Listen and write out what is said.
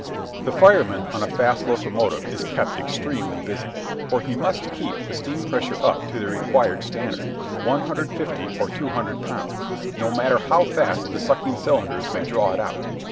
] The fireman on a fast locomotive is kept extremely busy, for he must keep the steam pressure up to the required standard 150 or 200 pounds no matter how fast the sucking cylinders may draw it out.